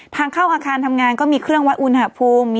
ทางเข้าอาคารทำงานก็มีเครื่องวัดอุณหภูมิ